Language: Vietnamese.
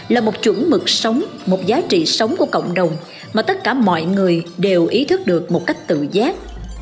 là một chuẩn mực sống một giá trị sống của cộng đồng mà tất cả mọi người đều ý thức được một cách tự giác